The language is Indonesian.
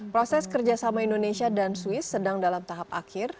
proses kerjasama indonesia dan swiss sedang dalam tahap akhir